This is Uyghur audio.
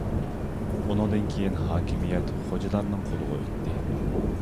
ئۇنىڭدىن كېيىن ھاكىمىيەت خوجىلارنىڭ قولىغا ئۆتتى.